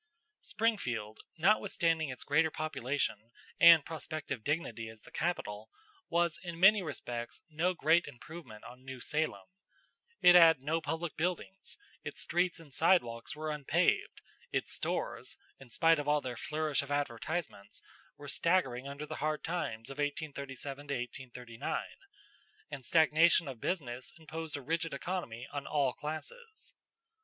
Springfield, notwithstanding its greater population and prospective dignity as the capital, was in many respects no great improvement on New Salem. It had no public buildings, its streets and sidewalks were unpaved, its stores, in spite of all their flourish of advertisements, were staggering under the hard times of 1837 39, and stagnation of business imposed a rigid economy on all classes.